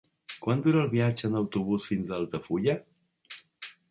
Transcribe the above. Quant dura el viatge en autobús fins a Altafulla?